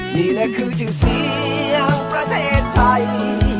นี่แหละคือชื่อเสียงประเทศไทย